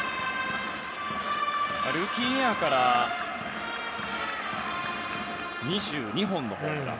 ルーキーイヤーから２２本のホームラン。